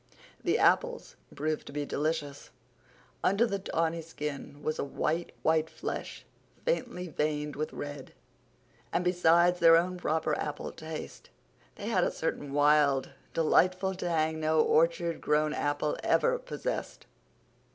The apples proved to be delicious. Under the tawny skin was a white, white flesh, faintly veined with red; and, besides their own proper apple taste, they had a certain wild, delightful tang no orchard grown apple ever possessed.